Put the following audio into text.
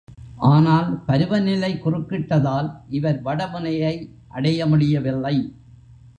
ஆனால், பருவநிலை குறுக்கிட்டதால், இவர் வட முனையை அடைய முடியவில்லை.